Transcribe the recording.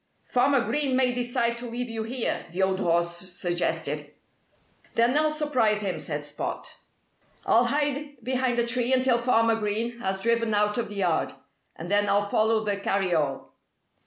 "Farmer Green may decide to leave you here," the old horse suggested. "Then I'll surprise him," said Spot. "I'll hide behind a tree until Farmer Green has driven out of the yard. And then I'll follow the carryall."